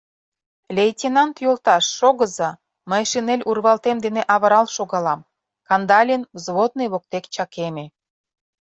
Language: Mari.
— Лейтенант йолташ, шогыза, мый шинель урвалтем дене авырал шогалам, — Кандалин взводный воктек чакеме.